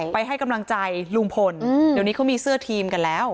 ให้กำลังใจลุงพลเดี๋ยวนี้เขามีเสื้อทีมกันแล้ว